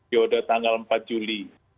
yaudah tanggal empat juli